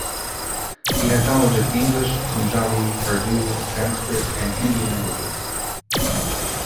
He had knowledge of English, Punjabi, Urdu, Sanskrit and Hindi languages.